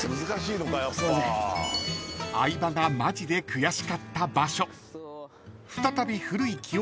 ［相葉がマジでくやしかった場所］